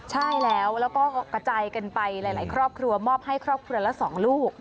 ใช่แล้วก็ประจายกันไปหลายครอบครัวมอบให้ครอบครัวละสองลูกนะคะ